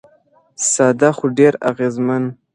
ساده خو ډېر اغېزمن.